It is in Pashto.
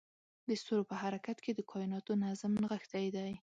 د ستورو په حرکت کې د کایناتو نظم نغښتی دی.